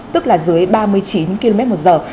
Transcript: tức là dưới ba mươi chín km một giờ